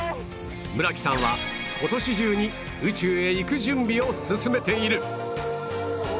村木さんは今年中に宇宙へ行く準備を進めている